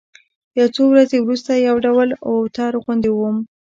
يو څو ورځې وروسته يو ډول اوتر غوندې وم.